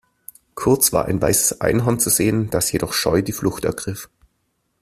Kurz war ein weißes Einhorn zu sehen, das jedoch scheu die Flucht ergriff.